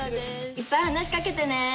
いっぱい話しかけてね！